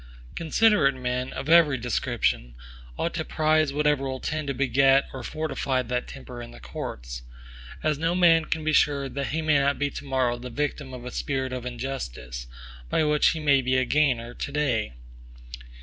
Considerate men, of every description, ought to prize whatever will tend to beget or fortify that temper in the courts: as no man can be sure that he may not be to morrow the victim of a spirit of injustice, by which he may be a gainer to day.